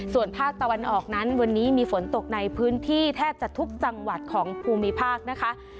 ส่วนภาคตะวันออกนั้นวันนี้มีฝนตกในพื้นที่แทบจะทุกจังหวัดของภูมิภาคนะคะ